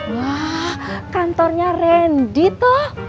wah kantornya randy tuh